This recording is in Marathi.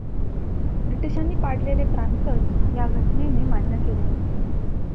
ब्रिटिशांनी पाडलेले प्रांतच या घटनेने मान्य केले होते.